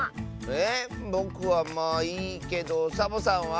えぼくはまあいいけどサボさんは？